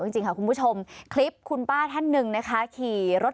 จริงค่ะคุณผู้ชมคลิปคุณป้าท่านหนึ่งนะคะขี่รถ